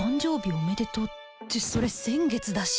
おめでとうってそれ先月だし